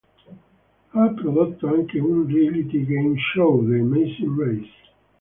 Ha prodotto anche un "reality game show": "The Amazing Race".